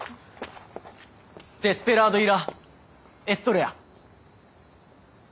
「デスペラードイ・ラ・エストレヤ」。